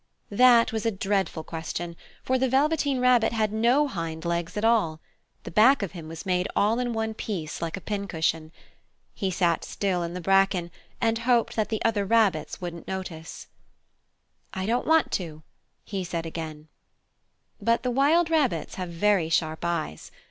That was a dreadful question, for the Velveteen Rabbit had no hind legs at all! The back of him was made all in one piece, like a pincushion. He sat still in the bracken, and hoped that the other rabbits wouldn't notice. "I don't want to!" he said again. But the wild rabbits have very sharp eyes.